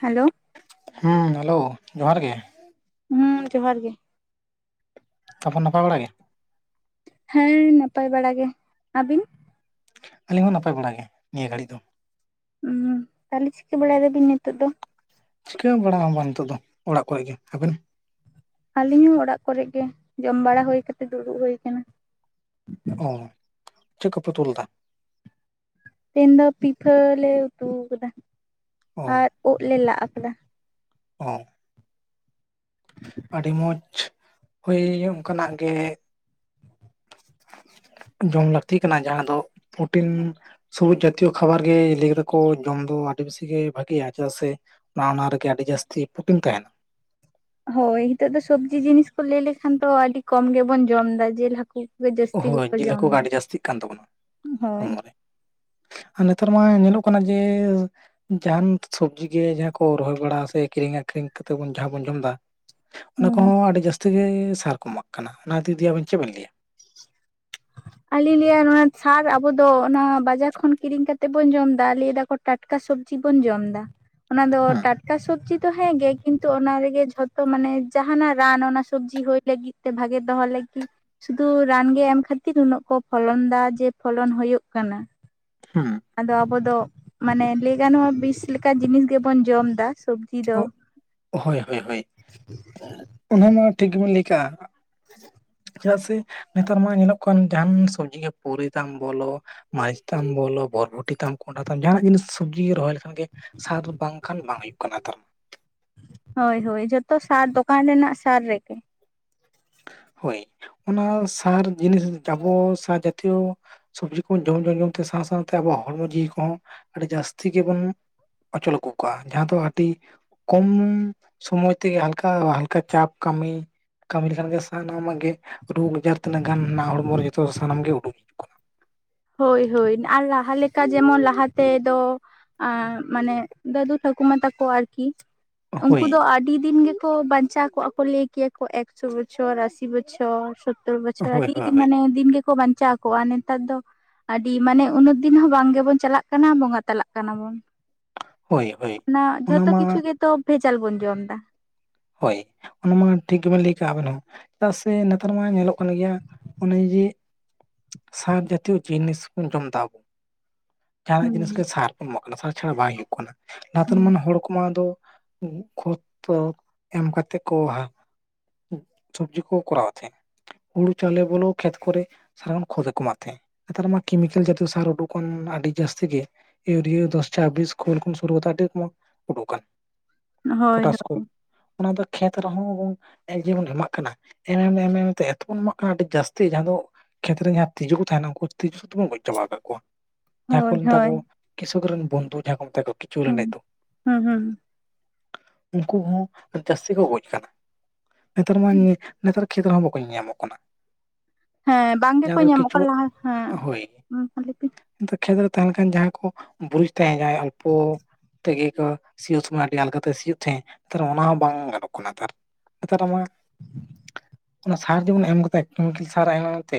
Hello ᱦᱮᱸ hello ᱡᱚᱦᱟᱨ ᱜᱮ᱾ ᱦᱩᱸ ᱡᱚᱦᱟᱨ ᱜᱮ᱾ ᱛᱟᱯᱚᱨ ᱱᱟᱯᱟᱭ ᱵᱟᱲᱟ ᱜᱮ᱾ ᱦᱮᱸ ᱱᱟᱯᱟᱭ ᱵᱟᱲᱟ ᱜᱮ ᱟᱹᱵᱤᱱ? ᱟᱞᱤᱧ ᱦᱚᱸ ᱱᱟᱯᱟᱭ ᱵᱟᱲᱟ ᱜᱮ ᱱᱤᱭᱟᱹ ᱜᱷᱟᱹᱲᱤᱡ ᱫᱚ᱾ ᱩᱸ ᱛᱟᱦᱚᱞᱮ ᱪᱤᱠᱟᱹ ᱵᱟᱲᱟᱭ ᱫᱟᱵᱤᱱ ᱱᱤᱛᱚᱜ ᱫᱚ? ᱪᱤᱠᱟᱹ ᱵᱟᱲᱟ ᱦᱚᱸ ᱵᱟᱝ ᱱᱤᱛᱚᱜ ᱫᱚ ᱚᱲᱟᱜ ᱠᱚᱨᱮ ᱜᱮ ᱾ ᱟᱹᱵᱮᱱ? ᱟᱞᱤᱧ ᱦᱚᱸ ᱚᱲᱟᱜ ᱠᱚᱨᱮ ᱜᱮ, ᱡᱚᱢ ᱵᱟᱲᱟ ᱦᱳᱭ ᱠᱟᱛᱮᱜ ᱫᱩᱲᱩᱵ ᱦᱳᱭ ᱟᱠᱟᱱᱟ ᱾ ᱚ ᱪᱮᱫ ᱠᱚᱯᱮ ᱩᱛᱩ ᱞᱮᱫᱟ? ᱛᱮᱦᱮᱱ ᱫᱚ ᱯᱤᱴᱷᱟᱹ ᱞᱮ ᱩᱛᱩ ᱠᱟᱫᱟ ᱚ ᱟᱨ ᱳᱫ ᱞᱮ ᱞᱟᱜ ᱟᱠᱟᱫᱟ ᱾ ᱚᱻ [inaudible] ᱟᱹᱰᱤ ᱢᱚᱡᱽ ᱦᱳᱭ ᱚᱱᱠᱟᱱᱟᱜ ᱜᱮ, ᱡᱚᱢ ᱞᱟᱹᱠᱛᱤ ᱠᱟᱱᱟ ᱡᱟᱦᱟᱸ ᱫᱚ ᱯᱚᱨᱴᱤᱱ ᱥᱚᱵᱩᱡ ᱡᱟᱛᱤᱭᱚ ᱠᱷᱟᱵᱟᱨ ᱜᱮ ᱞᱟᱹᱭ ᱠᱟᱫᱟ ᱠᱚ ᱡᱚᱢ ᱫᱚ ᱟᱹᱰᱤ ᱵᱮᱥᱤ ᱜᱮ ᱵᱷᱟᱜᱤᱭᱟ ᱾ ᱪᱮᱫᱟᱜ ᱥᱮ ᱚᱱᱟ ᱚᱱᱟ ᱨᱮᱜᱮ ᱟᱹᱰᱤ ᱡᱟᱹᱥᱛᱤ ᱯᱩᱴᱤᱱ ᱛᱟᱸᱦᱮᱱᱟ ᱾ ᱦᱳᱭ ᱦᱤᱸᱛᱚᱜ ᱫᱚ ᱥᱚᱵᱽᱡᱤ ᱡᱤᱱᱤᱥ ᱠᱚ ᱞᱟᱹᱭ ᱞᱮᱠᱷᱟᱱ ᱫᱚ ᱟᱹᱰᱤ ᱠᱚᱢ ᱜᱮᱵᱚᱱ ᱡᱚᱢ ᱮᱫᱟ᱾ ᱡᱮᱞ ᱦᱟᱹᱠᱩ ᱠᱚᱜᱮ ᱡᱟᱹᱥᱛᱤ ᱦᱳᱭ ᱜᱮᱠᱚ ᱡᱤᱞ ᱡᱚᱢ ᱦᱟᱹᱠᱩ ᱜᱮ ᱮᱫᱟ ᱟᱹᱰᱤ ᱡᱟᱹᱥᱛᱤᱜ ᱠᱟᱱ ᱛᱟᱵᱚᱱᱟ ᱦᱳᱭ ᱦᱚᱲᱢᱚ ᱨᱮ ᱾ ᱟᱨ ᱱᱮᱛᱟᱨ ᱢᱟ ᱧᱮᱞᱚᱜ ᱠᱟᱱᱟ ᱡᱮ ᱡᱟᱸᱦᱟᱱ ᱥᱚᱵᱽᱡᱤ ᱜᱮ ᱡᱟᱦᱟᱸ ᱠᱚ ᱨᱚᱦᱚᱭ ᱵᱟᱲᱟ ᱥᱮ ᱠᱤᱨᱤᱧ ᱟᱠᱷᱨᱤᱧ ᱠᱟᱛᱮᱫ ᱵᱚᱱ ᱡᱟᱦᱟᱸ ᱵᱚᱱ ᱡᱚᱢ ᱫᱟ ᱚᱱᱟ ᱦᱩᱸ ᱦᱩᱸ ᱠᱚᱦᱚᱸ ᱟᱹᱰᱤ ᱡᱟᱹᱥᱛᱤ ᱜᱮ ᱥᱟᱨ ᱠᱚ ᱮᱢᱟᱜ ᱠᱟᱱᱟ ᱚᱱᱟ ᱫᱤ ᱠᱟᱛᱮ ᱟᱵᱤᱱ ᱪᱮᱫ ᱵᱮᱱ ᱞᱟᱹᱭᱟ ᱾ ᱟᱞᱤᱧ ᱞᱤᱧ ᱞᱟᱹᱭᱟ ᱱᱚᱣᱟ ᱥᱟᱨ ᱟᱵᱚ ᱫᱚ ᱚᱱᱟ ᱵᱟᱡᱟᱨ ᱠᱷᱚᱱ ᱠᱤᱨᱤᱧ ᱠᱟᱛᱮ ᱵᱚᱱ ᱡᱚᱢ ᱫᱟ ᱞᱟᱹᱭ ᱫᱟ ᱠᱚ ᱴᱟᱴᱠᱟ ᱥᱚᱵᱽᱡᱤ ᱵᱚᱱ ᱡᱚᱢ ᱫᱟ ᱾ ᱚᱱᱟ ᱫᱚ ᱦᱮᱸ ᱴᱟᱴᱠᱟ ᱥᱚᱵᱽᱡᱤ ᱛᱚ ᱦᱮᱸ ᱜᱮ ᱠᱤᱱᱛᱩ ᱚᱱᱟ ᱨᱮᱜᱮ ᱡᱷᱚᱛᱚ ᱢᱟᱱᱮ ᱡᱟᱦᱱᱟᱜ ᱨᱟᱱ ᱚᱱᱟ ᱥᱚᱵᱽᱡᱤ ᱦᱩᱭ ᱞᱟᱹᱜᱤᱫ ᱛᱮ ᱵᱷᱟᱜᱮ ᱫᱚᱦᱚ ᱞᱟᱹᱜᱤᱫ ᱥᱩᱫᱷᱩ ᱨᱟᱱᱜᱮ ᱮᱢ ᱠᱷᱟᱹᱛᱤᱨ ᱩᱱᱟᱹᱜ ᱠᱚ ᱯᱷᱚᱞᱚᱱ ᱫᱟ ᱡᱮ ᱯᱷᱚᱞᱚᱱ ᱦᱳᱭᱳᱜ ᱠᱟᱱᱟ ᱾ ᱦᱩᱸ᱾ ᱟᱫᱚ ᱟᱵᱚ ᱫᱚ ᱢᱟᱱᱮ ᱞᱟᱹᱭ ᱜᱟᱱᱚᱜᱼᱟ ᱵᱤᱥ ᱞᱮᱠᱟᱱ ᱡᱤᱱᱤᱥ ᱜᱮᱵᱚᱱ ᱡᱚᱢ ᱫᱟ ᱾ ᱚ, ᱦᱳᱭ ᱦᱳᱭ ᱦᱳᱭ ᱚᱱᱟᱢᱟ ᱴᱷᱤᱠ ᱜᱮᱢᱚᱱ ᱞᱟᱹᱭ ᱠᱟᱜᱼᱟ ᱾ ᱪᱮᱫᱟᱜ ᱥᱮ ᱱᱮᱛᱟᱨ ᱢᱟ ᱧᱮᱞᱚᱜ ᱠᱟᱱ ᱡᱟᱦᱟᱱ ᱥᱚᱵᱽᱡᱤ ᱜᱮ ᱯᱩᱨᱤ ᱛᱟᱢ ᱵᱚᱞᱚ ᱢᱟᱹᱨᱤᱪ ᱛᱟᱢ ᱵᱚᱞᱚ, ᱵᱚᱨᱵᱷᱚᱴᱤ ᱛᱟᱢ, ᱠᱚᱸᱰᱷᱟ ᱛᱟᱢ, ᱡᱟᱸᱦᱟᱱᱟᱜ ᱡᱤᱱᱤᱥ ᱥᱚᱵᱽᱡᱤ ᱜᱮ ᱨᱚᱦᱚᱭ ᱞᱮᱠᱷᱟᱱ ᱜᱮ ᱥᱟᱨ ᱵᱟᱝᱠᱷᱟᱱ ᱵᱟᱝ ᱦᱩᱭᱩᱜ ᱠᱟᱱᱟ ᱱᱮᱛᱟᱨ᱾ ᱦᱳᱭ ᱦᱳᱭ ᱡᱷᱚᱛᱚ ᱥᱟᱨ ᱫᱚᱠᱟᱱ ᱨᱮᱱᱟᱜ ᱥᱟᱨ ᱨᱮᱜᱮ ᱾ ᱦᱳᱭ ᱚᱱᱟ ᱥᱟᱨ ᱡᱤᱱᱤᱥ ᱡᱟᱵᱚ ᱥᱟᱨ ᱡᱟᱛᱤᱭᱚ ᱥᱚᱵᱽᱡᱤ ᱠᱚᱵᱚᱱ ᱡᱚᱢ ᱡᱚᱢᱛᱮ ᱥᱟᱶ ᱥᱟᱶᱛᱮ ᱟᱵᱚᱣᱟᱜ ᱦᱚᱲᱢᱚ ᱡᱤᱣᱤ ᱠᱚᱦᱚᱸ ᱟᱹᱰᱤ ᱡᱟᱹᱥᱛᱤ ᱜᱮᱵᱚᱱ ᱚᱪᱚᱞ [unintelligible] ᱠᱚᱣᱟ ᱡᱟᱦᱟᱸ ᱫᱚ ᱟᱹᱰᱤ ᱠᱚᱢ ᱥᱚᱢᱚᱭ ᱛᱮᱜᱮ ᱦᱟᱞᱠᱟ ᱦᱟᱞᱠᱟ ᱪᱟᱯ ᱠᱟᱹᱢᱤ ᱠᱟᱹᱢᱤ ᱞᱮᱠᱷᱟᱱ ᱜᱮ ᱥᱟᱱᱟᱢᱟᱜ ᱜᱮ ᱨᱳᱜᱽ ᱟᱡᱟᱨ ᱛᱤᱱᱟᱹᱜ ᱜᱟᱱ ᱦᱚᱲᱢᱚ ᱨᱮ ᱡᱚᱛᱚ ᱥᱟᱱᱟᱢ ᱜᱮ ᱩᱰᱩᱠ ᱦᱤᱡᱩᱜ ᱠᱟᱱᱟ ᱦᱳᱭ ᱦᱳᱭ ᱟᱨ ᱞᱟᱦᱟ ᱞᱮᱠᱟ ᱡᱮᱢᱚᱱ ᱞᱟᱦᱟ ᱛᱮᱫᱚ ᱟ ᱢᱟᱱᱮ ᱫᱟᱹᱫᱩ ᱴᱷᱟᱹᱠᱩᱢᱟ ᱛᱟᱠᱚ ᱟᱨᱠᱤ ᱩᱱᱠᱩ ᱦᱳᱭ ᱫᱚ ᱟᱹᱰᱤ ᱫᱤᱱ ᱜᱮᱠᱚ ᱵᱟᱧ ᱪᱟ ᱠᱚᱜᱼᱟ ᱠᱚ ᱞᱟᱹᱭ ᱠᱮᱭᱟ ᱠᱚ ᱮᱠᱥᱚ ᱵᱚᱪᱷᱚᱨ ᱟᱥᱤ ᱵᱚᱪᱷᱚᱨ ᱥᱳᱛᱛᱚᱨ ᱵᱚᱪᱷᱚᱨ ᱦᱳᱭ ᱟᱹᱰᱤ ᱦᱳᱭ ᱢᱟᱱᱮ ᱫᱤᱱ ᱜᱮ ᱵᱟᱧᱪᱟᱣ ᱠᱚᱜᱼᱟ, ᱱᱮᱛᱟᱨ ᱫᱚ ᱟᱹᱰᱤ ᱢᱟᱱᱮ ᱩᱱᱟᱹᱜ ᱫᱤᱱ ᱦᱚᱸ ᱵᱟᱝ ᱜᱮᱵᱚᱱ ᱪᱟᱞᱟᱜ ᱠᱟᱱᱟ ᱾ᱵᱚᱸᱜᱟ ᱛᱟᱞᱟᱜ ᱠᱟᱱᱟ ᱵᱚᱱ ᱦᱳᱭ ᱦᱳᱭ ᱚᱱᱟ ᱡᱷᱚᱛᱚ ᱠᱤᱪᱷᱩ ᱜᱮᱛᱚ ᱵᱷᱮᱡᱟᱞ ᱵᱚᱱ ᱡᱚᱢ ᱫᱟ ᱾ ᱦᱳᱭ, ᱚᱱᱟ ᱢᱟ ᱴᱷᱤᱠ ᱜᱮᱵᱮᱱ ᱞᱟᱹᱭ ᱠᱟᱜ ᱟᱵᱮᱱ ᱦᱚᱸ᱾ ᱪᱮᱫᱟᱜ ᱥᱮ ᱱᱮᱛᱟᱨ ᱢᱟ ᱧᱮᱞᱚᱜ ᱠᱟᱱ ᱜᱮᱭᱟ ᱚᱱᱮ ᱡᱮ ᱥᱟᱨ ᱡᱟᱛᱤᱭᱚ ᱡᱤᱱᱤᱥ ᱵᱚᱱ ᱡᱚᱢ ᱮᱫᱟ ᱟᱵᱚ, ᱡᱟᱦᱟᱱᱟᱜ ᱡᱤᱱᱤᱥ ᱜᱮ ᱥᱟᱨ ᱵᱚᱱ ᱮᱢᱟᱜ ᱠᱟᱱᱟ ᱥᱟᱨ ᱪᱷᱟᱲᱟ ᱵᱟᱭ ᱦᱩᱭᱩᱜ ᱠᱟᱱᱟ ᱱᱟᱛᱮᱨᱟᱱ ᱦᱚᱲ ᱠᱚᱢᱟ ᱫᱚ [unintelligible] ᱮᱢ ᱠᱟᱛᱮᱜ ᱠᱚ [unintelligible] ᱥᱚᱵᱽᱡᱤ ᱠᱚ ᱠᱚᱨᱟᱣ ᱛᱟᱦᱮᱸᱫ ᱾ ᱦᱩᱲᱩ ᱪᱟᱣᱞᱮ ᱵᱚᱞᱚ ᱠᱷᱮᱛ ᱠᱚᱨᱮ ᱾ ᱥᱟᱨᱟᱨᱚᱱ ᱠᱷᱚᱸᱛ ᱜᱮᱠᱚ ᱮᱢᱟᱜ ᱛᱟᱸᱦᱮᱜ, ᱱᱮᱛᱟᱨ ᱢᱟ ᱠᱮᱢᱤᱠᱮᱞ ᱡᱟᱛᱤᱭᱚ ᱥᱟᱨ ᱩᱰᱩᱠ ᱠᱟᱱ ᱟᱹᱰᱤ ᱡᱟᱹᱥᱛᱤ ᱜᱮ ᱾ ᱤᱭᱩᱨᱤᱭᱟᱹ ᱫᱚᱥ ᱪᱷᱟᱵᱤᱥ ᱠᱷᱳᱞ ᱠᱷᱚᱱ ᱥᱩᱨᱩ ᱠᱟᱛᱮ ᱩᱰᱜᱠᱟᱱ ᱦᱳᱭ ᱦᱳᱭ ᱚᱱᱟ ᱫᱚ ᱠᱷᱮᱛ ᱨᱮᱦᱚᱸ ᱮᱠ ᱡᱮ ᱵᱚᱱ ᱰᱷᱟᱞᱟᱜ ᱠᱟᱱᱟ᱾ ᱮᱢᱮᱢ ᱮᱢ ᱛᱮ ᱮᱛᱚᱵᱚᱱ ᱮᱢᱟᱜ ᱠᱟᱱᱟ ᱟᱹᱰᱤ ᱡᱟᱹᱥᱛᱤ ᱡᱟᱦᱟᱸ ᱫᱚ ᱠᱷᱮᱛᱨᱮ ᱡᱟᱦᱟᱸ ᱛᱤᱡᱩ ᱠᱚ ᱛᱟᱦᱮᱸᱱᱟ ᱩᱱᱠᱩ ᱛᱤᱡᱩ ᱥᱩᱛᱵᱚᱱ ᱜᱚᱡ ᱪᱟᱵᱟ ᱟᱠᱟᱫ ᱠᱚᱣᱟ᱾ ᱡᱟᱦᱟᱸ ᱠᱚ ᱦᱳᱭ ᱢᱮᱛᱟ ᱦᱳᱭ ᱠᱚ ᱠᱤᱥᱚᱠ ᱨᱮᱱ ᱵᱚᱱᱫᱷᱩ ᱡᱟᱦᱟᱸ ᱠᱚ ᱢᱮᱛᱟ ᱠᱚ ᱠᱤᱪᱷᱩ ᱦᱩᱸ ᱞᱮᱸᱰᱮᱫ ᱫᱩ ᱦᱩᱸ ᱦᱩᱸ ᱩᱱᱠᱩ ᱦᱚᱸ ᱡᱟᱹᱥᱛᱤ ᱠᱚ ᱜᱚᱡ ᱠᱟᱱᱟ ᱱᱮᱛᱟᱨ ᱢᱟ ᱱᱮᱛᱟᱨ ᱠᱷᱮᱛ ᱨᱮᱦᱚᱸ ᱵᱟᱠᱚ ᱧᱮ ᱧᱟᱢᱚᱜ ᱠᱟᱱᱟ᱾ ᱦᱮᱸ ᱵᱟᱝ ᱜᱮᱠᱚ ᱡᱟᱦᱟᱸ ᱫᱚ ᱧᱟᱢᱚᱜ ᱠᱟᱱᱟ ᱠᱤᱪᱩᱣᱟᱹ ᱞᱟᱦᱟ ᱦᱮᱸ ᱦᱳᱭ ᱠᱷᱮᱛ ᱨᱮ ᱛᱟᱦᱮᱸ ᱞᱮᱠᱷᱟᱱ ᱡᱟᱦᱟᱸᱭ ᱠᱚ ᱵᱩᱨᱤᱡ ᱛᱟᱦᱮᱸ ᱡᱟᱸᱦᱟᱭ ᱩᱱᱠᱩ ᱛᱮᱜᱮ ᱠᱚ ᱥᱤᱭᱳᱜ ᱥᱚᱢᱚᱭ ᱟᱹᱰᱤ ᱟᱞᱜᱟᱛᱮ ᱥᱤᱭᱳᱜ ᱛᱟᱦᱮᱸᱜ ᱛᱟᱨ ᱚᱱᱟ ᱦᱚᱸ ᱵᱟᱝ ᱜᱟᱱᱚᱜ ᱠᱟᱱᱟ ᱱᱮᱛᱟᱨ ᱱᱮᱛᱟᱨ ᱢᱟ ᱚᱱᱟ ᱥᱟᱨ ᱡᱮᱢᱚᱱ ᱮᱢ ᱠᱟᱛᱮ ᱠᱮᱢᱤᱠᱮᱞ ᱥᱟᱨ ᱟᱭ ᱢᱟᱢ ᱛᱮ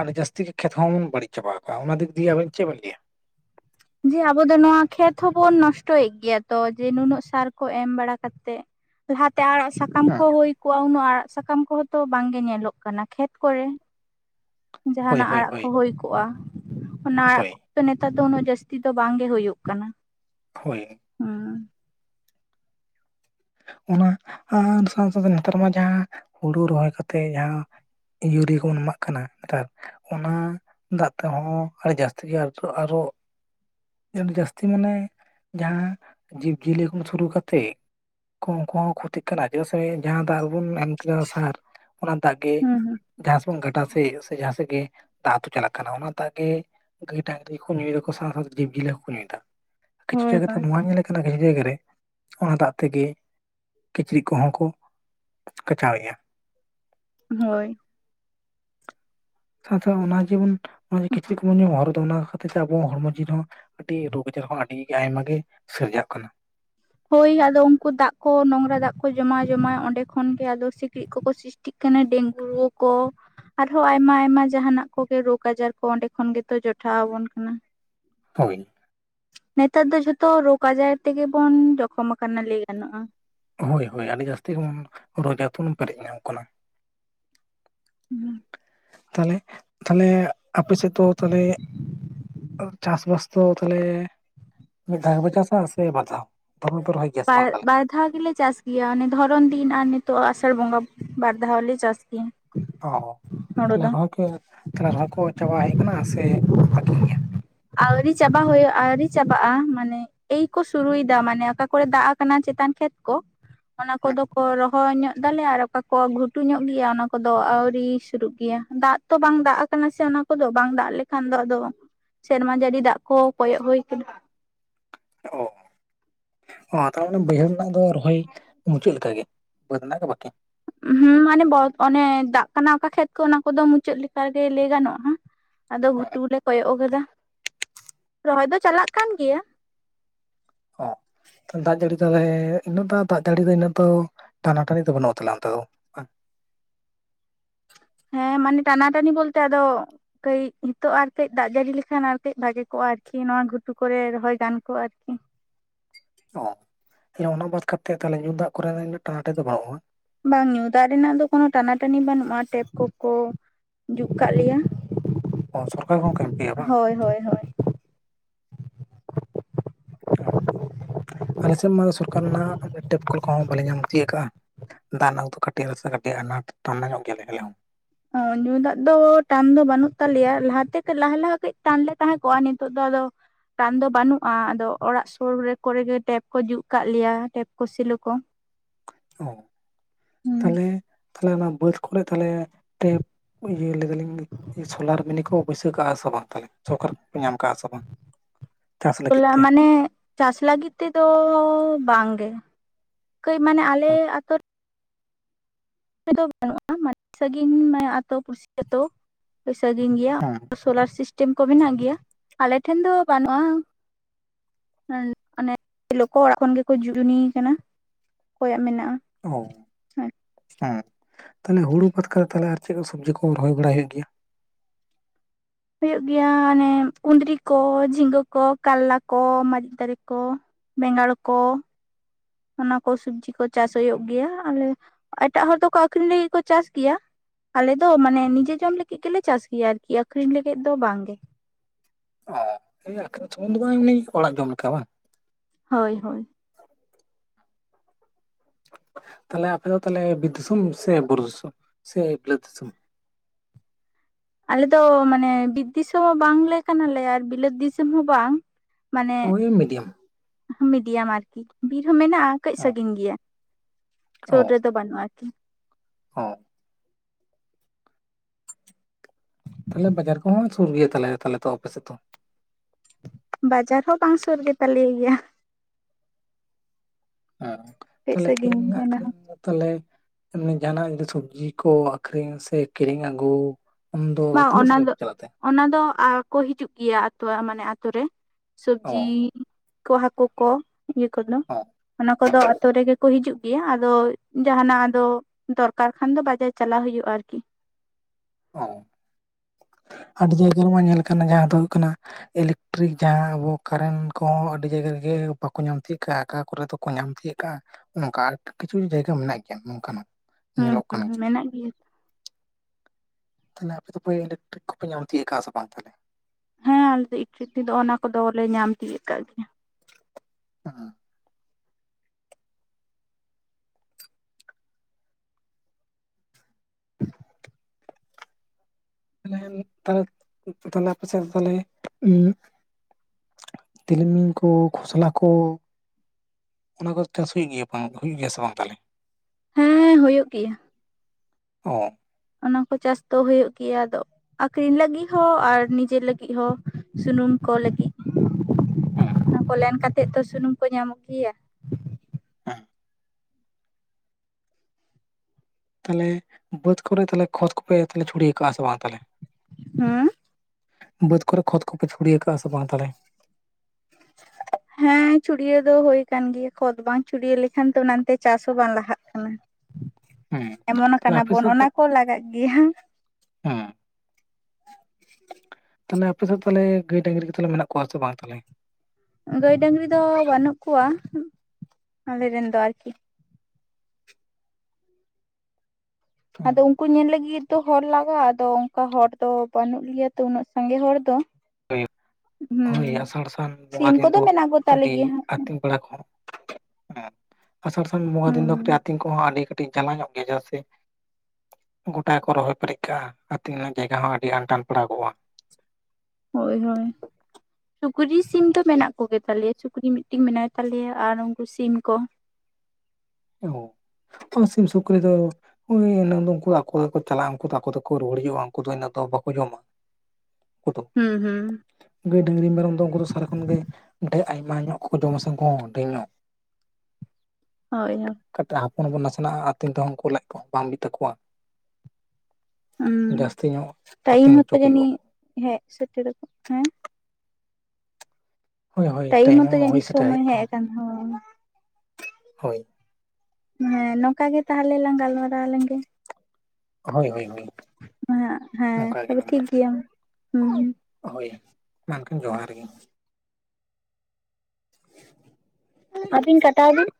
ᱟᱨ ᱡᱟᱹᱥᱛᱤ ᱜᱮ ᱠᱷᱮᱛ ᱦᱚᱸᱵᱚᱱ ᱵᱟᱹᱲᱤᱡ ᱪᱟᱵᱟᱣ ᱠᱟᱜ-ᱟ ᱚᱱᱟ ᱫᱤᱠ ᱫᱤᱭᱮ ᱟᱵᱤᱱ ᱪᱮᱜ ᱵᱮᱱ ᱞᱟᱹᱭᱟ ᱡᱮ ᱟᱵᱚ ᱫᱚ ᱱᱚᱣᱟ ᱠᱷᱮᱛ ᱦᱚᱵᱚᱱ ᱱᱚᱥᱴᱚᱭᱮᱜ ᱜᱮᱭᱟ ᱛᱚ ᱡᱮ ᱱᱩᱱᱟᱹᱜ ᱥᱟᱨ ᱠᱚ ᱮᱢ ᱵᱟᱲᱟ ᱠᱟᱛᱮᱜ᱾ ᱞᱟᱦᱟᱛᱮ ᱟᱲᱟᱜ ᱥᱟᱠᱟᱢ ᱠᱚ ᱦᱮᱸ ᱦᱩᱭ ᱠᱚᱜ-ᱟ ᱩᱱᱟᱹᱜ ᱟᱲᱟᱜ ᱥᱟᱠᱟᱢ ᱠᱚᱦᱚᱸ ᱛᱚ ᱵᱟᱝᱜᱮ ᱧᱮᱞᱚᱜ ᱠᱟᱱᱟ ᱠᱷᱮᱛ ᱠᱚᱨᱮ, ᱡᱟᱦᱟᱱᱟᱜ ᱟᱲᱟᱜ ᱠᱚ ᱦᱳᱭ ᱠᱚᱜ-ᱟ ᱚᱱᱟ ᱟᱲᱟᱜ ᱦᱳᱭ ᱠᱚ ᱱᱮᱛᱟᱨ ᱫᱚ ᱩᱱᱟᱹᱜ ᱡᱟᱹᱥ ᱛᱤ ᱫᱚ ᱵᱟᱝ ᱜᱮ ᱦᱩᱭᱩᱜ ᱠᱟᱱᱟ᱾ ᱦᱳᱭ ᱦᱩᱸ ᱚᱱᱟ ᱟᱨ ᱥᱟᱶ ᱥᱟᱶᱛᱮ ᱱᱮᱛᱟᱨ ᱢᱟ ᱡᱟᱦᱟᱸ ᱦᱩᱲᱩ ᱨᱚᱦᱚᱭ ᱠᱟᱛᱮ ᱡᱟᱦᱟᱸ ᱤᱭᱩᱨᱤᱭᱟ ᱠᱚᱵᱚᱱ ᱮᱢᱟᱜ ᱠᱟᱱᱟ ᱱᱮᱛᱟᱨ, ᱚᱱᱟ ᱫᱟᱜ ᱛᱮᱦᱚᱸ ᱟᱹᱰᱤ ᱡᱟᱹᱥᱛᱤ ᱟᱨᱚ ᱡᱟᱹᱥᱛᱤ ᱢᱟᱱᱮ ᱡᱟᱦᱟᱸ ᱡᱤᱵ ᱡᱤᱭᱟᱹᱞᱤ ᱠᱷᱚᱱ ᱥᱩᱨᱩ ᱠᱟᱛᱮᱜ ᱩᱝᱠᱩ ᱩᱝᱠᱩ ᱦᱚᱸ ᱠᱷᱚᱛᱤᱜ ᱠᱟᱱᱟ ᱪᱮᱫᱟᱜ ᱥᱮ ᱡᱟᱦᱟᱸ ᱫᱟᱜ ᱨᱮᱵᱚᱱ ᱮᱢ ᱠᱮᱫᱟ ᱥᱟᱨ, ᱚᱱᱟ ᱫᱟᱜ ᱜᱮ ᱦᱩᱸ ᱦᱩᱸ ᱡᱟᱦᱟᱸ ᱥᱮᱫ ᱵᱟᱝᱚᱱ ᱜᱟᱰᱟ ᱥᱮᱫ ᱥᱮ ᱡᱟᱦᱟᱸ ᱥᱮᱫ ᱜᱮ ᱫᱟᱜᱟᱛᱩ ᱪᱟᱞᱟᱜ ᱠᱟᱱᱟ ᱚᱱᱟ ᱫᱟᱜ ᱜᱮ ᱜᱟᱹᱭ ᱰᱟᱹᱝᱨᱟᱤ ᱦᱚᱸᱠᱚ ᱧᱩᱭ ᱫᱟᱠᱚ ᱠᱚ ᱥᱟᱣ ᱥᱟᱣ ᱛᱮ ᱡᱤᱵᱽ ᱡᱤᱭᱟᱹᱞᱤ ᱦᱚᱸᱠᱚ ᱧᱩᱭ ᱫᱟ ᱠᱤᱪᱩ ᱦᱳᱭ ᱡᱟᱭᱜᱟ ᱛᱚ ᱦᱳᱭ ᱱᱚᱣᱟ ᱧᱮᱞ ᱠᱟᱱᱟ ᱠᱤᱪᱷᱩ ᱡᱟᱭᱜᱟ ᱨᱮ ᱚᱱᱟ ᱫᱟᱜ ᱛᱮᱜᱮ ᱠᱤᱪᱨᱤᱡ ᱠᱚᱦᱚᱸ ᱠᱚ ᱠᱟᱪᱟᱣᱮᱜ-ᱟ᱾ ᱦᱳᱭ ᱥᱟᱶᱛᱮ ᱚᱱᱟ ᱡᱮᱵᱚᱱᱮ ᱠᱤᱪᱨᱤᱡᱽ ᱠᱚᱵᱚᱱ ᱦᱚᱨᱚᱜᱫᱟ ᱚᱱᱟ ᱦᱚᱛᱮᱛᱮ ᱟᱵᱚ ᱦᱚᱲᱢᱚ ᱡᱤᱣᱤ ᱨᱮᱦᱚᱸ ᱟᱹᱰᱤ ᱨᱳᱜᱽ ᱟᱡᱟᱨ ᱦᱚᱸ ᱟᱹᱰᱤ ᱟᱭᱢᱟ ᱜᱮ ᱥᱤᱨᱡᱟᱜ ᱠᱟᱱᱟ᱾ ᱦᱳᱭ ᱟᱫᱚ ᱩᱱᱠᱩ ᱫᱟᱜ ᱠᱚ ᱱᱚᱝᱨᱟ ᱫᱟᱜ ᱠᱚ ᱡᱚᱢᱟ ᱡᱚᱢᱟ ᱚᱸᱰᱮ ᱠᱷᱚᱱ ᱜᱮ ᱟᱫᱚ ᱥᱤᱠᱲᱤᱡ ᱠᱚᱠᱚ ᱥᱤ ᱤᱥᱴᱤᱜ ᱠᱟᱱᱟ ᱰᱮᱝᱜᱩ ᱠᱚ, ᱟᱨᱦᱚᱸ ᱟᱭᱢᱟ ᱟᱭᱢᱟ ᱡᱟᱦᱱᱟᱜ ᱠᱚᱜᱮ ᱨᱳᱜᱽ ᱟᱡᱟᱨ ᱠᱚ ᱚᱸᱰᱮ ᱠᱷᱚᱱ ᱜᱮᱛᱚ ᱡᱚᱴᱷᱟ ᱟᱵᱚᱱ ᱠᱟᱱᱟ᱾ ᱦᱳᱭ ᱱᱮᱛᱟᱨ ᱫᱚ ᱡᱷᱚᱛᱚ ᱨᱳᱜᱽ ᱟᱡᱟᱨ ᱛᱮᱜᱮ ᱵᱚᱱ ᱡᱚᱠᱷᱚᱢ ᱟᱠᱟᱱᱟ ᱞᱟᱹᱭ ᱜᱟᱱᱚᱜ-ᱟ᱾ ᱦᱳᱭ ᱦᱳᱭ ᱟᱹᱰᱤ ᱡᱟᱹᱥᱛᱤ ᱜᱮᱢᱚᱱ ᱨᱳᱜᱽ ᱟᱡᱟᱨ ᱛᱮᱵᱚᱱ ᱯᱮᱨᱮᱡ ᱧᱟᱢ ᱠᱟᱱᱟ᱾ ᱛᱟᱞᱦᱮ ᱛᱟᱞᱦᱮ ᱟᱯᱮ ᱥᱮᱫ ᱫᱚ ᱛᱟᱞᱦᱮ ᱪᱟᱥ ᱵᱟᱥ ᱫᱚ ᱛᱟᱦᱞᱮ ᱢᱤᱫ ᱫᱷᱟᱣ ᱜᱮᱯᱮ ᱪᱟᱥᱟ ᱥᱮ ᱵᱟᱨᱫᱷᱟᱣ? ᱯᱚᱨ ᱯᱚᱨ ᱯᱮ ᱨᱚᱦᱚᱭ ᱜᱮᱭᱟ ᱥᱮ ᱵᱟᱨ ᱵᱟᱝ ᱛᱟᱦᱚᱞᱮ? ᱵᱟ ᱛᱷᱟᱣ ᱜᱮᱞᱮ ᱪᱟᱥ ᱜᱮᱭᱟ ᱚᱱᱮ ᱫᱷᱚᱨᱚᱱ ᱫᱤᱱ ᱟᱨ ᱱᱤᱛᱳᱜ ᱟᱥᱟᱲ ᱵᱚᱸᱜᱟ ᱵᱟᱨ ᱫᱷᱟᱣ ᱞᱮ ᱪᱟᱥ ᱜᱮᱭᱟ᱾ ᱚ ᱦᱳᱲᱳ ᱫᱚ ᱛᱟᱦᱞᱮ ᱠᱮ ᱛᱟᱦᱞᱮ ᱨᱚᱦᱚᱭ ᱠᱚ ᱪᱟᱵᱟ ᱦᱮᱡ ᱠᱟᱱᱟ ᱥᱮ ᱵᱟᱠᱤ ᱜᱮᱭᱟ? ᱟᱣᱨᱤ ᱪᱟᱵᱟ ᱦᱳᱭᱳᱜ-ᱟ ᱟᱣᱨᱤ ᱪᱟᱵᱟᱜ-ᱟ ᱢᱟᱱᱮ ᱮᱭ ᱠᱚ ᱥᱩᱨᱩᱭᱮᱫᱟ, ᱢᱟᱱᱮ ᱚᱠᱟ ᱠᱚᱨᱮ ᱫᱟᱜ ᱟᱠᱟᱱᱟ ᱪᱮᱛᱟᱱ ᱠᱷᱮᱛ ᱠᱚ ᱾ ᱚᱱᱟ ᱦᱮᱸ ᱠᱚᱫᱚ ᱠᱚ ᱨᱚᱦᱚᱭ ᱧᱚᱜ ᱫᱟᱞᱮ ᱟᱨ ᱚᱠᱟ ᱠᱚ ᱜᱷᱩᱴᱩ ᱧᱚᱜ ᱜᱮᱭᱟ ᱚᱱᱟ ᱠᱚᱫᱚ ᱟᱹᱣᱨᱤᱼᱼ ᱥᱩᱨᱩᱜ ᱜᱮᱭᱟ, ᱫᱟᱜ ᱛᱚ ᱵᱟᱝ ᱫᱟᱜ ᱟᱠᱟᱱᱟ ᱥᱮ ᱚᱱᱟ ᱠᱚᱫᱚ ᱵᱟᱝ ᱫᱟᱜ ᱞᱮᱱᱠᱷᱟᱱ ᱫᱚ ᱟᱫᱚᱼᱼ ᱥᱮᱨᱢᱟ ᱡᱟᱹᱲᱤ ᱫᱟᱜ ᱠᱚ ᱠᱚᱭᱚᱜ ᱦᱩᱭ ᱟᱠᱟᱱᱟ ᱾ ᱚ ᱾ ᱚ ᱛᱟᱦᱞᱮ ᱵᱟᱹᱭᱦᱟᱹᱲ ᱨᱮᱱᱟᱜ ᱫᱚ ᱨᱚᱦᱚᱭ ᱢᱩᱪᱟᱹᱫ ᱞᱮᱠᱟ ᱜᱮ ᱵᱟᱹᱫᱽ ᱨᱮᱱᱟᱜ ᱜᱮ ᱵᱟᱠᱤ? ᱦᱮᱸ ᱢᱟᱱᱮ ᱚᱱᱮ ᱫᱟᱜ ᱠᱟᱱᱟ ᱚᱠᱟ ᱠᱷᱮᱛ ᱠᱚ ᱚᱱᱟ ᱠᱚᱫᱚ ᱢᱩᱪᱟᱹᱫ ᱞᱮᱠᱟ ᱜᱮ ᱞᱟᱹᱭ ᱜᱟᱱᱚᱜᱼᱟ ᱾ ᱟᱫᱚ ᱜᱷᱩᱴᱩ ᱞᱮ ᱠᱚᱭᱚᱜ ᱟᱠᱟᱫᱟ, ᱨᱚᱦᱚᱭ ᱫᱚ ᱪᱟᱞᱟᱜ ᱠᱟᱱ ᱜᱮᱭᱟ ᱾ ᱚ ᱫᱟᱜ ᱡᱟᱹᱲᱤ ᱛᱟᱦᱚᱞᱮ ᱤᱱᱟᱹᱜ ᱫᱚ ᱫᱟᱜ ᱡᱟᱹᱲᱤ ᱫᱚ ᱤᱱᱟᱹᱜ ᱫᱚᱼᱼ ᱴᱟᱱᱟ ᱴᱟᱹᱱᱤ ᱫᱚ ᱵᱟᱹᱱᱩᱜ ᱛᱟᱦᱚᱞᱮ ᱚᱱᱛᱮ ᱫᱚ? ᱦᱮᱸ ᱢᱟᱱᱮ ᱴᱟᱱᱟ ᱴᱟᱱᱤ ᱵᱚᱞᱛᱮ ᱟᱫᱚᱼᱼ ᱠᱟᱹᱡ ᱱᱤᱛᱚᱜ ᱟᱨ ᱠᱟᱹᱡ ᱫᱟᱜ ᱡᱟᱹᱲᱤ ᱞᱮᱠᱷᱟᱱ ᱟᱨ ᱠᱟᱹᱡ ᱵᱷᱟᱹᱜᱤ ᱠᱚᱜᱼᱟ ᱟᱨᱠᱤ, ᱱᱚᱣᱟ ᱜᱷᱩᱴᱩ ᱠᱚᱨᱮ ᱨᱚᱦᱚᱭ ᱜᱟᱱ ᱠᱚᱜᱼᱟ ᱟᱨᱠᱤ ᱾ ᱚ, ᱚᱱᱟ ᱵᱟᱫᱽ ᱠᱟᱛᱮ ᱛᱟᱦᱚᱞᱮ ᱧᱩ ᱫᱟᱜ ᱠᱚᱨᱮ ᱫᱚ ᱴᱟᱱᱟ ᱴᱟᱱᱤ ᱫᱚ ᱵᱟᱹᱱᱩᱜᱼᱟ? ᱵᱟᱝ ᱧᱩ ᱫᱟᱜ ᱨᱮᱱᱟᱜ ᱫᱚ ᱠᱳᱱᱚ ᱴᱟᱱᱟ ᱴᱟᱹᱱᱤ ᱵᱟᱹᱱᱩᱜᱼᱟ, ᱴᱮᱯ ᱠᱚᱞ ᱠᱚ ᱡᱩᱛ ᱠᱟᱫ ᱞᱮᱭᱟ ᱾ ᱚ ᱥᱚᱨᱠᱟᱨ ᱠᱷᱚᱱ ᱦᱚᱸ ᱠᱚ ᱮᱢᱟ ᱯᱤᱭᱟ ᱵᱟᱝ? ᱦᱳᱭ ᱦᱳᱭ ᱦᱳᱭ ᱾ ᱟᱞᱮ ᱥᱮᱫ ᱢᱟ ᱥᱚᱨᱠᱟᱨ ᱨᱮᱱᱟᱜ ᱴᱮᱯ ᱠᱚᱞ ᱠᱚᱦᱚᱸ ᱵᱟᱞᱮ ᱧᱟᱢ ᱤᱭᱟᱹ ᱠᱟᱜᱼᱟ ᱾ ᱫᱟᱜ ᱨᱮᱱᱟᱜ ᱫᱚ ᱠᱟᱹᱴᱤᱡ ᱠᱟᱹᱴᱤᱡ ᱟᱱᱟᱴ ᱧᱚᱜ ᱜᱮᱭᱟᱞᱮ ᱾ ᱧᱩ ᱫᱟᱜ ᱫᱚ ᱴᱟᱱ ᱫᱚ ᱵᱟᱹᱱᱩᱜ ᱛᱟᱞᱮᱭᱟ, ᱞᱟᱦᱟᱛᱮ ᱞᱟᱦᱟ ᱞᱟᱦᱟ ᱠᱟᱹᱡ ᱴᱟᱱ ᱞᱮ ᱛᱟᱦᱮᱸ ᱠᱚᱜᱼᱟ ᱱᱤᱛᱚᱜ ᱫᱚ ᱟᱫᱚᱼᱼ ᱴᱟᱱ ᱫᱚ ᱵᱟᱹᱱᱩᱜᱼᱟ, ᱟᱫᱚ ᱚᱲᱟᱜ ᱥᱩᱨ ᱨᱮ ᱠᱚᱨᱮ ᱜᱮ ᱴᱮᱯ ᱠᱚ ᱡᱩᱛ ᱟᱠᱟᱫ ᱞᱮᱭᱟ, ᱴᱮᱯ ᱠᱚ ᱥᱤᱞᱩ ᱠᱚ ᱼᱼ [inaudible] ᱚ ᱛᱟᱦᱚᱞᱮ, ᱛᱟᱦᱚᱞᱮ ᱚᱱᱟ ᱵᱟᱹᱫᱽ ᱠᱚᱨᱮ ᱛᱟᱦᱚᱞᱮᱼᱼ ᱤᱭᱟᱹ ᱞᱟᱹᱭ ᱟᱞᱤᱧ, ᱥᱳᱞᱟᱨ ᱢᱤᱱᱤ ᱠᱚ ᱵᱟᱹᱭᱥᱟᱹᱣ ᱠᱟᱜᱼᱟ ᱥᱮ ᱵᱟᱝ? ᱛᱟᱦᱚᱞᱮ ᱥᱚᱨᱠᱟᱨ ᱠᱚ ᱧᱟᱢᱼᱼ ᱠᱟᱜ ᱥᱮ ᱵᱟᱝ? ᱪᱟᱥ ᱞᱟᱹᱜᱤᱫ ᱥᱚᱞᱟ ᱛᱮ? ᱢᱟᱱᱮ ᱪᱟᱥ ᱞᱟᱹᱜᱤᱫ ᱛᱮᱫᱚ ᱵᱟᱝᱜᱮ ᱾ ᱠᱟᱹᱡ ᱢᱟᱱᱮ ᱟᱞᱮ ᱟᱹᱛᱩᱼᱼ ᱫᱚ ᱵᱟᱹᱱᱩᱜᱼᱟ, ᱢᱟᱱᱮ ᱥᱟᱺᱜᱤᱧ ᱟᱛᱩ ᱯᱩᱲᱥᱤ ᱛᱚ ᱥᱟᱹᱜᱤᱧ ᱜᱮᱭᱟᱼᱼ ᱦᱮᱸ ᱾ ᱥᱳᱞᱟᱨ ᱥᱤᱥᱴᱮᱢ ᱠᱚ ᱢᱮᱱᱟᱜ ᱜᱮᱭᱟ ᱾ ᱟᱞᱮ ᱴᱷᱮᱱ ᱫᱚ ᱵᱟᱹᱱᱩᱜᱼᱟ ᱾ ᱦᱮ ᱚᱱᱮ ᱠᱚ ᱚᱲᱟᱜ ᱠᱷᱚᱱ ᱜᱮᱠᱚ ᱡᱩᱱᱤᱭ ᱠᱟᱱᱟ ᱚᱠᱚᱭᱟᱜ ᱢᱮᱱᱟᱜᱼᱟ ᱾ ᱚ ᱦᱮᱸ ᱛᱟᱦᱞᱮ ᱦᱩᱲᱩ ᱵᱟᱹᱫᱽ ᱠᱚ ᱛᱟᱦᱞᱮ ᱟᱨ ᱪᱮᱫ ᱠᱚ ᱥᱚᱵᱽᱡᱤ ᱠᱚ ᱨᱚᱦᱚᱭ ᱵᱟᱲᱟᱭ ᱦᱩᱭᱩᱜ ᱜᱮᱭᱟ? ᱦᱩᱭᱩᱜ ᱜᱮᱭᱟ ᱚᱱᱮ ᱠᱩᱸᱫᱽᱨᱤ ᱠᱚ, ᱡᱷᱤᱸᱜᱟᱹ ᱠᱚ, ᱠᱟᱨᱞᱟ ᱠᱚ, ᱢᱟᱹᱨᱤᱪ ᱫᱟᱨᱮ ᱠᱚ, ᱼᱼ ᱵᱮᱸᱜᱟᱲ ᱠᱚ ᱾ ᱚᱱᱟ ᱠᱚ ᱥᱚᱵᱽᱡᱤ ᱠᱚ ᱪᱟᱥ ᱦᱩᱭᱩᱜ ᱜᱮᱭᱟ, ᱟᱞᱮ ᱮᱴᱟᱜ ᱦᱚᱲ ᱫᱚᱠᱚ ᱟᱹᱠᱷᱨᱤᱧ ᱞᱟᱹᱜᱤᱫ ᱠᱚ ᱪᱟᱥ ᱜᱮᱭᱟ ᱾ ᱟᱞᱮ ᱫᱚ ᱢᱟᱱᱮ ᱱᱤᱡᱮ ᱡᱚᱢ ᱞᱟᱹᱜᱤᱫ ᱜᱮᱞᱮ ᱪᱟᱥ ᱜᱮᱭᱟ, ᱟᱨᱠᱤ ᱟᱹᱠᱷᱨᱤᱧ ᱞᱟᱹᱜᱤᱫ ᱫᱚ ᱵᱟᱝ ᱜᱮ ᱾ ᱚ ᱟᱹᱠᱷᱨᱤᱧ ᱥᱩᱢᱩᱝ ᱫᱚ ᱵᱟᱝ ᱮᱢᱱᱤ ᱚᱲᱟᱜ ᱡᱚᱢ ᱞᱮᱠᱟ ᱵᱟᱝ? ᱦᱳᱭ ᱦᱳᱭ ᱾ ᱛᱟᱦᱚᱞᱮ ᱟᱯᱮ ᱫᱚ ᱛᱟᱦᱚᱞᱮ ᱵᱤᱨ ᱫᱤᱥᱚᱢ ᱥᱮ, ᱵᱩᱨᱩ ᱫᱤᱥᱚᱢ, ᱥᱮ ᱵᱤᱞᱟᱹᱛ ᱫᱤᱥᱚᱢ? ᱟᱞᱮ ᱫᱚ ᱢᱟᱱᱮ ᱵᱤᱨ ᱫᱤᱥᱚᱢ ᱦᱚᱸ ᱵᱟᱝᱞᱮ ᱠᱟᱱᱟᱞᱮ ᱟᱨ ᱵᱤᱞᱟᱹᱛ ᱫᱤᱥᱚᱢ ᱦᱚᱸ ᱵᱟᱝ ᱾ ᱢᱟᱱᱮ, ᱳᱭ ᱢᱤᱰᱤᱭᱟᱢ ᱢᱤᱰᱤᱭᱟᱢ ᱟᱨᱠᱤ ᱾ ᱵᱤᱨ ᱦᱚᱸ ᱢᱮᱱᱟᱜᱼᱟ, ᱠᱟᱹᱡ ᱥᱟᱺᱜᱤᱧ ᱜᱮᱭᱟ ᱥᱩᱨ ᱨᱮᱫᱚ ᱵᱟᱹᱱᱩᱜᱼᱟ ᱟᱨᱠᱤ ᱾ ᱚᱦ ᱾ ᱛᱟᱦᱞᱮ ᱵᱟᱡᱟᱨ ᱠᱚᱦᱚᱸ ᱥᱩᱨ ᱜᱮᱭᱟ ᱛᱟᱦᱞᱮ ᱛᱚ ᱛᱟᱦᱚᱞᱮ ᱟᱯᱮ ᱥᱮᱫ ᱛᱚ? ᱵᱟᱡᱟᱨ ᱫᱚ ᱵᱟᱝ ᱥᱩᱨ ᱜᱮ ᱛᱟᱞᱮᱜ ᱭᱟ ᱾ ᱟᱹ, ᱠᱟᱹᱡ ᱛᱟᱦᱞᱮ ᱥᱟᱺᱜᱤᱧ ᱠᱤᱨᱤᱧ ᱚᱱᱟ ᱦᱚᱸ᱾ ᱟᱹᱠᱷᱨᱤᱧ ᱫᱚ ᱛᱟᱦᱞᱮ? ᱡᱟᱦᱟᱱᱟ-ᱜ ᱡᱩᱫᱤ ᱥᱚᱵᱽᱡᱤ ᱠᱚ ᱟᱹᱷᱨᱤᱧ, ᱥᱮ ᱠᱤᱨᱤᱧ ᱟᱹᱜᱩ ᱾ ᱩᱱ ᱫᱚ ᱵᱟᱝ ᱛᱤᱱᱟᱹᱜ ᱚᱱᱟ ᱥᱺᱜᱤᱧ ᱫᱚ ᱯᱮ ᱪᱟᱞᱟᱜ ᱛᱮ? ᱚᱱᱟ ᱫᱚ ᱟᱠᱚ ᱦᱤᱡᱩᱜ ᱜᱮᱭ-ᱟ᱾ ᱢᱟᱱᱮ ᱟᱹᱛᱩ ᱨᱮ ᱚ ᱥᱚᱵᱽᱡᱤᱼᱼ ᱠᱚ ᱦᱟᱹᱠᱩ ᱠᱚ, ᱤᱭᱟᱹ ᱠᱚᱼᱫᱚ ᱚ ᱚᱱᱟ ᱠᱚᱼᱫᱚ ᱦᱮᱸ ᱟᱹᱛᱩ ᱨᱮᱜᱮᱼᱼ ᱠᱚ ᱦᱤᱡᱩᱜ ᱜᱮᱭ-ᱟ᱾ ᱟᱫᱚ ᱡᱟᱦᱱᱟᱜ ᱟᱫᱚ ᱫᱚᱨᱠᱟᱨ ᱠᱷᱟᱱ ᱫᱚ ᱵᱟᱡᱟᱨ ᱪᱟᱞᱟᱣ ᱦᱩᱭᱩᱜᱼᱟ᱾ ᱟᱨᱠᱤ ᱚ ᱟᱹᱰᱤ ᱡᱟᱭᱜ-ᱟ ᱨᱮᱢᱟ ᱧᱮᱞ ᱠᱟᱱᱟ᱾ ᱡᱟᱦᱟᱸ ᱫᱚ ᱦᱩᱭᱩᱼᱜ ᱠᱟᱱᱟ ᱼᱼ ᱤᱞᱮᱠᱴᱨᱤᱠ ᱡᱟᱦᱟᱸ ᱟᱵᱚ ᱠᱟᱨᱮᱱᱴ ᱠᱚᱼᱦᱚᱸ ᱟᱹᱰᱤ ᱡᱟᱭᱜ-ᱟ᱾ ᱨᱮᱜᱮ ᱵᱟᱠᱚ ᱧᱟᱢ ᱛᱤᱭᱩᱜ ᱠᱟᱜᱼᱟ᱾ ᱟᱠᱟ ᱠᱚᱨᱮ ᱫᱚᱼᱼ ᱠᱚ ᱧᱟᱢ ᱛᱤᱭᱩᱜ ᱠᱟᱜᱼᱟ᱾ ᱱᱚᱝᱠᱟ ᱠᱤᱪᱷᱩ ᱡᱟᱭᱜ-ᱟ ᱢᱮᱱᱟᱜ ᱜᱮᱭᱟ᱾ ᱱᱚᱝᱠᱟᱱᱟᱜᱼᱼ ᱦᱩᱸ, ᱦᱩᱸ, ᱩᱸ ᱢᱮᱱᱟᱜ ᱜᱮᱭᱟ᱾ ᱛᱟᱦᱚᱞᱮ ᱟᱯᱮ ᱫᱚ ᱯᱮ ᱤᱞᱮᱠᱴᱤᱨᱤ ᱠᱚᱯᱮ, ᱧᱟᱢ ᱛᱤᱭᱩᱜ ᱠᱟᱫᱼᱟ, ᱥᱮ ᱵᱟᱝ? ᱦᱮᱸ ᱟᱞᱮ ᱫᱚ [unintelligible] ᱫᱚ ᱚᱱᱟ ᱠᱚᱫᱚ ᱞᱮ ᱧᱟᱢ ᱛᱤᱭᱟᱹᱜ ᱠᱟᱜ ᱜᱮᱭᱟ᱾ [inaudible] [unintelligible] ᱛᱟᱦᱟᱞᱮ, ᱟᱯᱮ ᱪᱮᱫ ᱫᱚ ᱛᱟᱦᱟᱞᱮ ᱛᱤᱞᱢᱤᱧᱸ ᱠᱚ ᱠᱽᱷᱚᱥᱞ ᱟ᱾ ᱠᱚ ᱚᱱᱟ ᱠᱚ ᱪᱟᱥ ᱦᱩᱭᱩᱜ ᱜᱮᱭ-ᱟ, ᱵᱟᱝ ᱦᱩᱭᱩᱜ ᱜᱮᱭ-ᱟ, ᱥᱮ ᱵᱟᱝ ᱛᱟᱦᱟᱞᱮ? ᱦᱮᱸ ᱦᱩᱭᱩᱜ ᱜᱮᱭ-ᱟ᱾ ᱚ ᱚᱱᱟ ᱠᱚ ᱪᱟᱥ ᱫᱚ ᱦᱩᱭᱩᱜ ᱜᱮᱭ-ᱟ᱾ ᱟᱫᱚ ᱟᱠᱷᱨᱤᱧ ᱞᱟᱹᱜᱤᱫ ᱦᱚᱸ, ᱟᱨ ᱱᱤᱡᱮᱨ ᱞᱟᱹᱜᱤᱫ ᱦᱚᱸ, ᱥᱩᱱᱩᱢ ᱠᱚ ᱞᱟᱹᱜᱤᱫ ᱦᱮᱸ ᱚᱱᱟ ᱠᱚ ᱞᱮᱱ ᱠᱟᱛᱮ ᱛᱚ, ᱥᱩᱱᱩᱢ ᱠᱚ ᱧᱟᱢᱚᱜ ᱜᱮᱭ-ᱟ᱾ ᱦᱮᱸ ᱛᱟᱞᱮ ᱵᱟᱹᱫᱽ ᱠᱚᱨᱮ ᱛᱟᱞᱮ, ᱠᱷᱚᱛ ᱠᱚᱯᱮ ᱮᱫᱞᱮ ᱪᱽᱷᱩᱲᱤᱭᱟᱹ ᱠᱟᱜᱼᱟ ᱥᱮ ᱵᱟᱝ? ᱛᱟᱦᱚᱞᱮ ᱦᱳᱸ ᱵᱟᱹᱫᱽ ᱠᱚᱨᱮ, ᱠᱷᱚᱛ ᱠᱚᱯᱮ ᱪᱷᱩᱲᱤᱭᱟᱹ ᱠᱟᱜᱼᱟ ᱥᱮ ᱵᱟᱝ? ᱛᱟᱦᱚᱞᱮ ᱦᱮᱸ ᱪᱷᱩᱲᱤᱭᱟᱹ ᱫᱚ ᱦᱩᱭ ᱠᱟᱱ ᱜᱮᱭ-ᱟ᱾ ᱠᱷᱚᱛ ᱵᱟᱝ ᱪᱷᱩᱲᱤᱭᱟᱹ ᱞᱮᱠᱷᱟᱱ ᱛᱚ ᱚᱱᱟᱛᱮ ᱪᱟᱥ ᱦᱚᱸ ᱵᱟᱝ ᱞᱟᱦᱟ-ᱜ ᱠᱟᱱᱟ᱾ ᱦᱮᱸ ᱮᱢᱚᱱ ᱛᱟᱦᱚᱞᱮ ᱠᱟᱱᱟ ᱟᱯᱮ ᱵᱚᱱ, ᱚᱱᱟ ᱠᱚ ᱞᱟᱜᱟᱼᱜ ᱜᱮᱭ-ᱟ᱾ ᱦᱳᱸ ᱛᱟᱞᱮ ᱟᱯᱮ ᱥᱮᱫ ᱛᱟᱦᱚᱞᱮ, ᱜᱟᱹᱭ ᱰᱟᱹᱜᱽᱨᱤ ᱠᱚ ᱛᱷᱟᱞᱮ ᱢᱮᱱᱟᱜ ᱠᱚᱣᱟ ᱥᱮ ᱵᱟᱝ ᱛᱟᱞᱮ? ᱜᱟᱹᱭ ᱰᱟᱹᱜᱽᱨᱤ ᱫᱚ ᱵᱟᱹᱱᱩᱜ ᱠᱚᱣ-ᱟ᱾ ᱟᱞᱮ ᱨᱮᱱ ᱫᱚ ᱟᱨᱠᱤ ᱟᱫᱚ ᱩᱱᱠᱩ ᱧᱮᱞ ᱞᱟᱹᱜᱤᱫ ᱛᱚ, ᱦᱚᱲ ᱞᱟᱜᱟᱜᱼᱟ᱾ ᱟᱫᱚ ᱚᱱᱠᱟ ᱦᱚᱲ ᱫᱚ ᱵᱟᱹᱱᱩᱜ ᱞᱮᱭᱟ ᱛᱚ ᱾ᱩᱱᱟᱹᱜ ᱥᱟᱸᱜᱮ ᱦᱚᱲ ᱫᱚ᱾ [unintelligible] ᱦᱳᱭ ᱦᱩᱸ ᱟᱥᱟᱲ ᱥᱟᱱ ᱵᱚᱸᱜᱟ ᱥᱤᱢ ᱫᱤᱱ ᱫᱚ, ᱠᱚᱫᱚ ᱢᱮᱱᱟᱜ ᱠᱚᱛᱟᱞᱮ ᱟᱹᱰᱤ ᱜᱮᱭᱟ ᱦᱟᱸᱜ [unintelligible] [unintelligible] ᱟᱥᱟᱲ ᱥᱟᱱ ᱵᱚᱸᱜᱟ ᱦᱩᱸ ᱫᱤᱱ ᱫᱚ ᱦᱩᱸ ᱵᱟᱯᱮ ᱟᱛᱤᱝ ᱚ ᱟᱹᱰᱤ ᱠᱟᱹᱴᱤᱡ ᱡᱟᱢᱟ ᱧᱚᱜ ᱜᱮᱭ-ᱟ ᱾ ᱪᱮᱫ ᱥᱮ ᱜᱚᱴᱟ ᱜᱮᱠᱚ ᱨᱚᱦᱚᱭ ᱯᱨᱮᱡ ᱠᱟᱜᱼᱟ᱾ ᱟᱹᱛᱤᱧ ᱨᱮᱱᱟᱜ ᱡᱟᱭᱜᱼᱟ ᱦᱚᱸ ᱟᱹᱰᱤ ᱟᱱᱴᱟᱱ ᱯᱟᱲᱟᱜᱚᱜᱼᱟ᱾ ᱦᱳᱭ, ᱦᱳᱭ᱾ ᱥᱩᱠᱨᱤ ᱥᱤᱢ ᱫᱚ ᱢᱮᱱᱟᱜ ᱠᱚ ᱜᱮᱛᱟᱞᱮᱭ-ᱟ᱾ ᱥᱩᱠᱨᱤ ᱢᱤᱫᱴᱮᱱ ᱢᱮᱱᱟᱭ ᱛᱟᱞᱮᱭ-ᱟ ᱾ᱟᱨ ᱩᱱᱠᱩ ᱥᱤᱢ ᱠᱚ ᱮᱱᱦᱚᱸ ᱦᱚᱭ ᱥᱤᱢ ᱥᱩᱠᱨᱤ ᱫᱚ ᱚᱭ ᱤᱱᱟᱹᱧ ᱫᱚ ᱩᱱᱠᱩ ᱫᱚ ᱟᱠᱚ ᱫᱚ ᱠᱚ ᱪᱟᱞᱟᱜᱼᱟ᱾ ᱩᱱᱠᱩ ᱫᱚ ᱟᱠᱚ ᱫᱚ ᱠᱚ ᱨᱩᱣᱟᱹᱲ ᱦᱤᱡᱩᱜᱼᱟ᱾ ᱩᱱᱠᱩ ᱫᱚ ᱤᱱᱟᱹᱜ ᱫᱚ ᱵᱟᱠᱚ ᱡᱚᱢᱟ᱾ ᱩᱱᱠᱩ ᱫᱚ ᱦᱳᱸ ᱦᱳᱸ ᱜᱟᱹᱭ ᱰᱟᱹᱜᱽᱨᱤ ᱢᱮᱨᱚᱢ ᱫᱚ, ᱩᱱᱠᱩ ᱫᱚ ᱥᱟᱨᱟᱠᱷᱚᱱ ᱜᱮ, ᱰᱷᱮᱜ ᱟᱭᱢᱟ ᱧᱚᱜ ᱠᱚᱼᱠᱚ ᱡᱚᱢᱟ ᱥᱮ ᱩᱱᱠᱩ ᱦᱚᱸ ᱰᱷᱮᱨ ᱧᱚᱜ᱾ ᱦᱳᱭ [unintelligible] ᱦᱟᱯᱚᱱ ᱯᱚᱱ ᱱᱟᱥᱱᱟᱜᱼᱟ᱾ ᱟᱹᱛᱤᱧ ᱛᱚᱝ ᱩᱱᱠᱩ ᱞᱟᱡᱽ ᱠᱚ ᱵᱟᱝ ᱵᱤᱜ ᱛᱟᱠᱚᱣ-ᱟ᱾ ᱦᱩᱸ ᱡᱟᱹᱥᱛᱤ ᱧᱚᱜ, ᱟᱹᱛᱤᱝ ᱦᱚᱪᱚᱸ ᱦᱩᱭᱩᱜᱼᱟ᱾ ᱦᱮᱸ ᱥᱮᱴᱮᱨᱟᱠᱚ ᱦᱮᱸ ᱦᱳᱭ ᱦᱳᱭ ᱴᱟᱭᱤᱢ ᱢᱚᱛᱚ ᱦᱚᱸ ᱦᱩᱭ ᱡᱟᱱᱤᱥ ᱥᱮᱴᱮᱨ ᱥᱚᱢᱚᱭ ᱦᱮᱡ ᱟᱠᱟᱱᱟ ᱟᱠᱟᱱ ᱦᱚᱸ᱾ ᱦᱳᱭ ᱦᱮᱸ ᱱᱚᱝᱠᱟ ᱜᱮ ᱛᱟᱦᱚᱞᱮ ᱞᱟᱝ ᱜᱟᱞᱢᱟᱨᱟᱣ ᱞᱮᱱ ᱞᱮᱝᱜᱮ᱾ ᱦᱳᱭ ᱦᱳᱭ ᱦᱳᱭ ᱦᱮᱸ ᱚᱱᱠᱟᱜᱮ ᱛᱚᱵᱮ ᱴᱷᱤᱠ ᱱᱟᱢᱵᱟᱨ ᱜᱮᱭᱟᱢ ᱦᱩᱸ ᱾ ᱦᱳᱭ ᱢᱟ ᱮᱱᱠᱷᱟᱱ ᱡᱚᱦᱟᱨ ᱜᱮ ᱾ [inaudible] ᱟᱹᱵᱤᱱ ᱠᱟᱴᱟᱣ ᱵᱤᱱ ᱾